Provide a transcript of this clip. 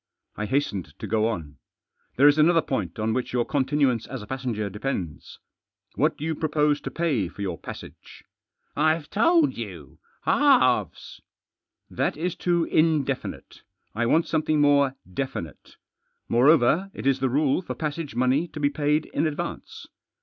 I hastened to go on. " There is another point on which your continuance as a passenger depends. What do you propose to pay for your passage ?"" I've told you — halves." " That is too indefinite. I want something more definite. Moreover, it is the rule for passage money to be paid in advance."